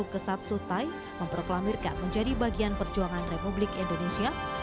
kita negeri agraris